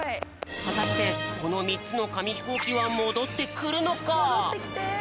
はたしてこの３つのかみひこうきはもどってくるのか？